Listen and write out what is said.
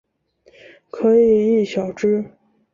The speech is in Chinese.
可以意晓之。